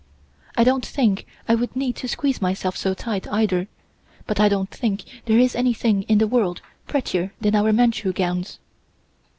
I don't think I would need to squeeze myself so tight, either, but I don't think there is anything in the world prettier than our Manchu gowns."